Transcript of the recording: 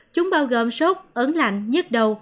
chúng bao gồm sốt ấn lạnh nhức đầu